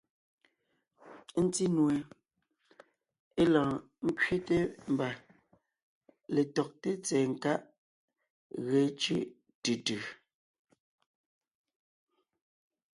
Ńtí nue (é lɔɔn ńkẅɛte mbà) letɔgté tsɛ̀ɛ nkáʼ ge cʉ́ʼ tʉ tʉ.